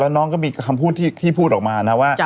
น้องก็มีคำพูดที่พูดออกมานะว่า